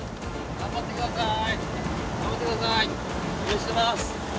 頑張ってください。